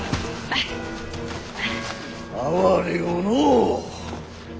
哀れよのう。